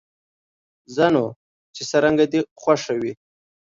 ځه نو، چې څرنګه دې خوښه وي.